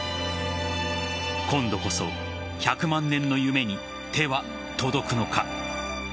今度こそ１００万年の夢に手は届くのか。